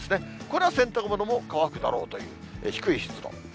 これは洗濯物も乾くだろうという、低い湿度。